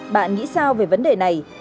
bạn nghĩ sao về vấn đề này